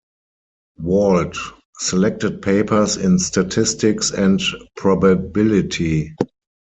Wald: "Selected Papers in Statistics and Probability".